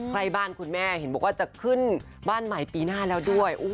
ใกล้บ้านคุณแม่เห็นบอกว่าจะขึ้นบ้านใหม่ปีหน้าแล้วด้วย